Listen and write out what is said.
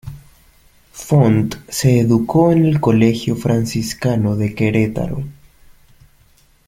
Font se educó en el Colegio Franciscano de Queretaro.